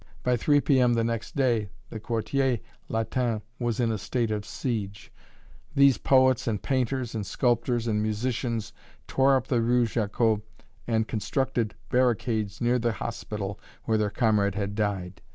By 3 P.M. the next day the Quartier Latin was in a state of siege these poets and painters and sculptors and musicians tore up the rue Jacob and constructed barricades near the hospital where their comrade had died.